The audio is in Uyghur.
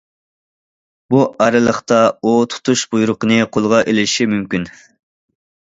بۇ ئارىلىقتا ئۇ تۇتۇش بۇيرۇقىنى قولىغا ئېلىشى مۇمكىن.